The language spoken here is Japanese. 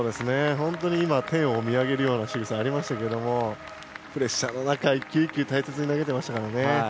本当に天を見上げるようなしぐさがありましたけどプレッシャーの中、１球１球大切に投げてましたからね。